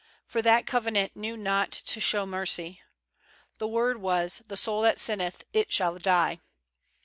For that cove nant knew not to show mercy: the word was, "The soul that sinneth, it shall die."